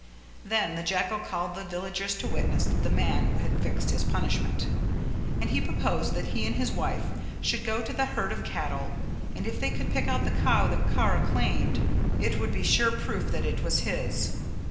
Then the jackal called the villagers to witness that the man had fixed his punishment, and he proposed that he and his wife should go to the herd of cattle, and if they could pick out the cow that Kara claimed it would be sure proof that it was his.